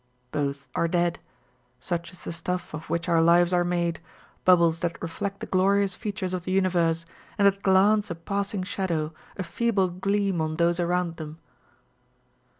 Both are dead. Such is the stuff of which our lives are made â€" bubbles that reflect the glorious featur.es of the universe, and that glance a passing shadow, a feeble gleam, on those around them